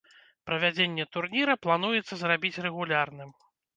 Правядзенне турніра плануецца зрабіць рэгулярным.